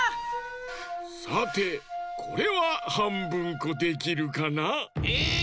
さてこれははんぶんこできるかな？え！